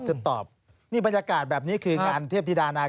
คือตอบความถามดีแบบนี้สรุปสุดท้าย